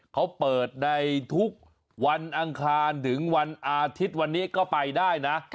เขาเปิดในทุกวันอังคารถึงวันอาทิตย์วันนี้ก็ไปได้นะ